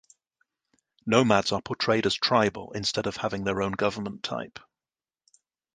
Nomads are portrayed as tribal instead of having their own government type.